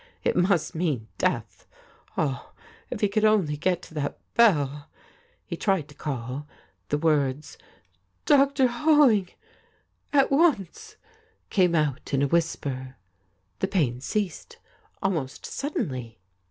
It must mean death. Ah, if he could only get to that bell ! He tried to call. The woi'ds, ' Dr. Holling ... at once,' came out in a whisper. The pain ceased, almost suddenly.